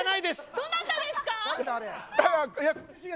どなたですか。